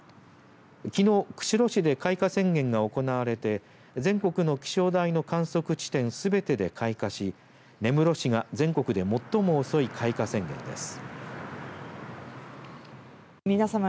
きのう釧路市で開花宣言が行われて全国の気象台の観測地点すべてで開花し根室市が全国で最も遅い開花宣言です。